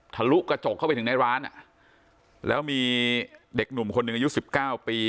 ลุกระจกเข้าไปถึงในร้านอ่ะแล้วมีเด็กหนุ่มคนหนึ่งอายุสิบเก้าปี